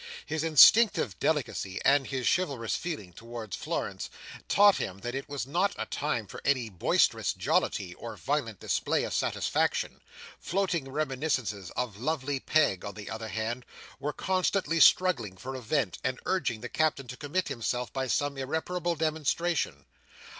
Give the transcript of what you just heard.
His instinctive delicacy and his chivalrous feeling towards Florence, taught him that it was not a time for any boisterous jollity, or violent display of satisfaction; floating reminiscences of Lovely Peg, on the other hand, were constantly struggling for a vent, and urging the Captain to commit himself by some irreparable demonstration.